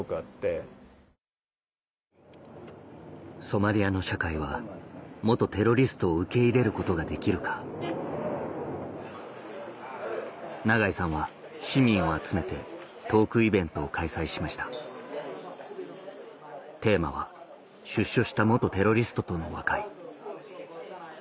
ソマリアの社会は元テロリストを受け入れることができるか永井さんは市民を集めてトークイベントを開催しましたテーマは「出所した元テロリストとの和解」